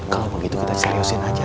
kalau begitu kita seriusin aja